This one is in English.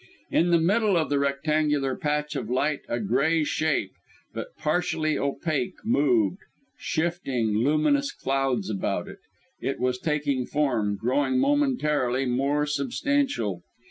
In the middle of the rectangular patch of light, a grey shape, but partially opaque, moved shifting, luminous clouds about it was taking form, growing momentarily more substantial!